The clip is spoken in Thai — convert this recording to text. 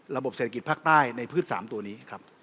ระบบเศรษฐกิจภาคใต้ในพืช๓ตัวนี้ครับ